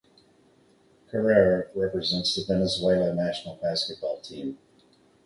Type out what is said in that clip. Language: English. Carrera represents the Venezuela national basketball team.